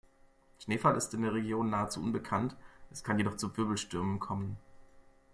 Schneefall ist in der Region nahezu unbekannt, es kann jedoch zu Wirbelstürmen kommen.